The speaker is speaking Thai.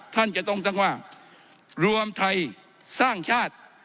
ท่านจะต้องตั้งว่ารวมไทยสร้างชาติ